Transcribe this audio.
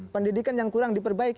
pendidikan yang kurang diperbaiki